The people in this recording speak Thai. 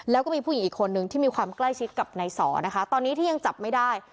แล้วก็มีผู้หญิงอีกคนนึงที่มีความใกล้ชิดกับนายสอนะคะตอนนี้ที่ยังจับไม่ได้